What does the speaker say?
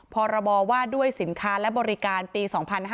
พรบว่าด้วยสินค้าและบริการปี๒๕๕๙